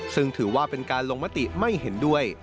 ซึ่งถือว่าเป็นการลงมติไม่เห็นด้วย